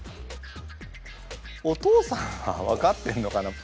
お父さんは分かってんのかな？